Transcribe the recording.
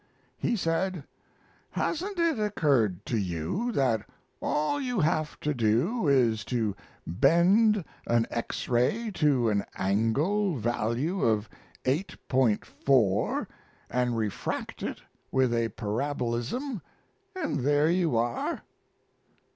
He said: "Hasn't it occurred to you that all you have to do is to bend an X ray to an angle value of 8.4 and refract it with a parabolism, and there you are?"